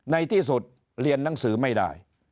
ในที่สุดเรียนหนังสือไม่ได้